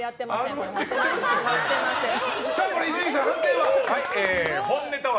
これ、伊集院さん、判定は？